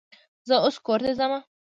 زه اوس کور ته ځمه.